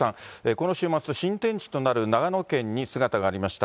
この週末、新天地となる長野県に姿がありました。